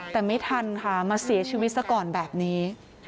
แต่ไม่ทันค่ะมาเสียชีวิตซะก่อนแบบนี้